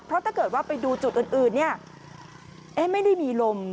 เพราะถ้าเกิดว่าไปดูจุดอื่นอื่นเนี้ยเอ๊ะไม่ได้มีลม